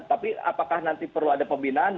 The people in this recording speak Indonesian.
tapi apakah nanti perlu ada pembinaan